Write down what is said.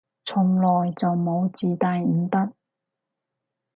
從來就冇自帶五筆